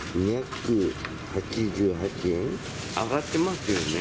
２８８円、上がってますよね。